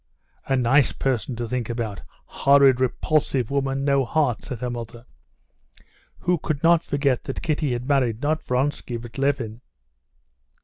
"A nice person to think about! Horrid, repulsive woman—no heart," said her mother, who could not forget that Kitty had married not Vronsky, but Levin.